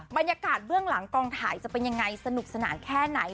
บรรยากาศเบื้องหลังกองถ่ายจะเป็นยังไงสนุกสนานแค่ไหน